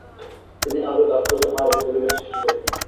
তিনি আবেগ আপ্লুত মায়াবী পরিবেশ সৃষ্টি করতেন।